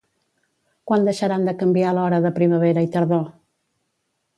Quan deixaran de canviar l´hora de primavera i tardor?